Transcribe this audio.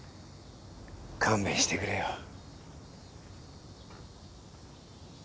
勘弁してくれよ。